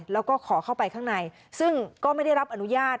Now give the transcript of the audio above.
แล้วก็ขอเข้าไปข้างในซึ่งก็ไม่ได้รับอนุญาต